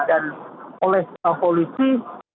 dan oleh polisi